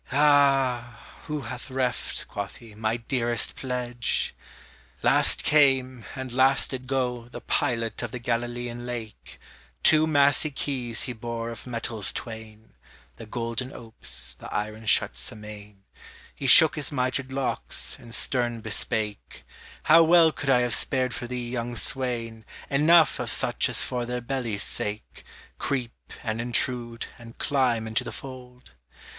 Ah! who hath reft (quoth he) my dearest pledge? Last came, and last did go, The pilot of the Galilean Lake; Two massy keys he bore of metals twain (The golden opes, the iron shuts amain); He shook his mitred locks, and stern bespake: How well could I have spared for thee, young swain, Enow of such as for their bellies' sake Creep, and intrude, and climb into the fold?